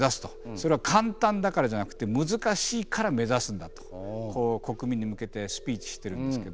「それは簡単だからじゃなくて難しいから目指すんだ」と国民に向けてスピーチしてるんですけど。